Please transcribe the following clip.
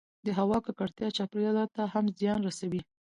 د هـوا کـکړتـيا چاپـېريال ته هم زيان رسـوي